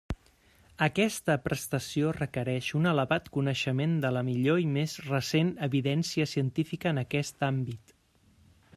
Aquesta prestació requereix un elevat coneixement de la millor i més recent evidència científica en aquest àmbit.